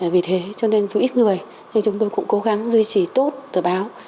vì thế cho nên dù ít người nhưng chúng tôi cũng cố gắng duy trì tốt tờ báo